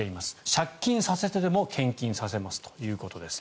借金させてでも献金させますということです。